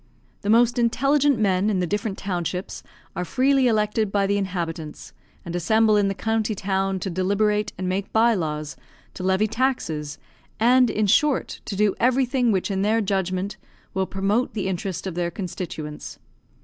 The most intelligent men in the different townships are freely elected by the inhabitants, and assemble in the county town to deliberate and make by laws, to levy taxes, and, in short, to do everything which in their judgment will promote the interest of their constituents.